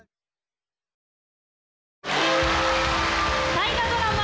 大河ドラマ